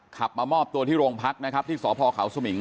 มามอบตัวที่โรงพักนะครับที่สพเขาสมิง